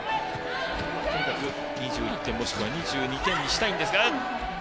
とにかく２１点、もしくは２２点にしたいんですが。